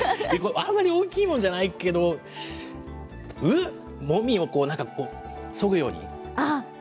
あんまり大きいものじゃないけど、う、もみをなんかそぐように。